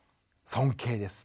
尊敬ですよ。